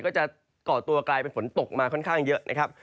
ก็จะก่อตัวกลายเป็นฝนตกมาค่อนข้างเยอะนะครับ